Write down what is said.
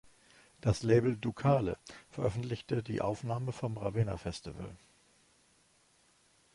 Das Label "Ducale" veröffentlichte die Aufnahme vom "Ravenna Festival".